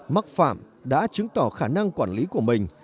mắc phạm đã chứng tỏ khả năng quản lý của mình